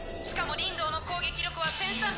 しかもリンドウの攻撃力は１３００。